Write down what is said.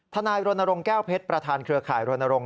นายรณรงค์แก้วเพชรประธานเครือข่ายรณรงค